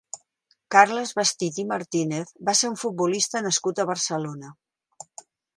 Carles Bestit i Martínez va ser un futbolista nascut a Barcelona.